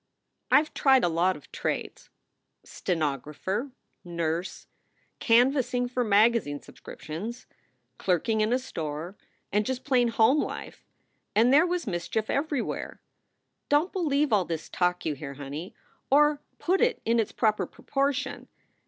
"I ve tried a lot of trades stenographer, nurse, canvass ing for magazine subscriptions, clerking in a store, and just plain home life and there was mischief everywhere. Don t believe all this talk you hear, honey, or put it in its proper proportion.